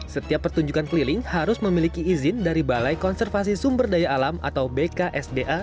setiap pertunjukan keliling harus memiliki izin dari balai konservasi sumber daya alam atau bksda